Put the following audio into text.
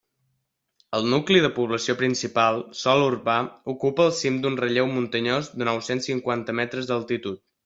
El nucli de població principal, sòl urbà, ocupa el cim d'un relleu muntanyós de nou-cents cinquanta metres d'altitud.